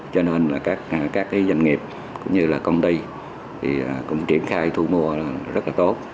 cho nên là các doanh nghiệp cũng như là công ty thì cũng triển khai thu mua rất là tốt